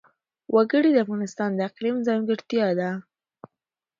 وګړي د افغانستان د اقلیم ځانګړتیا ده.